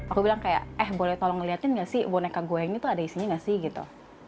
aku bilang kayak eh boleh tolong ngeliatin gak sih boneka gue ini tuh ada isinya gak sih gitu